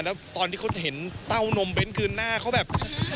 แล้วตอนที่เขาเห็นเต้านมเบ้นคือหน้าเขาแบบ